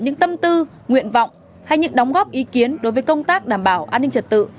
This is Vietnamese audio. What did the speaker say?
những tâm tư nguyện vọng hay những đóng góp ý kiến đối với công tác đảm bảo an ninh trật tự